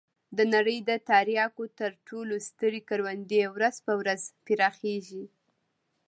د نړۍ د تریاکو تر ټولو سترې کروندې ورځ په ورځ پراخېږي.